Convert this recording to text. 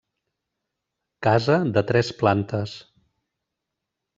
Casa de tres plantes.